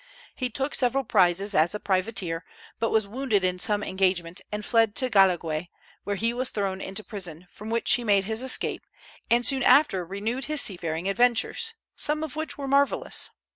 He took several prizes as a privateer, but was wounded in some engagement, and fled to Gualeguay, where he was thrown into prison, from which he made his escape, and soon after renewed his seafaring adventures, some of which were marvellous.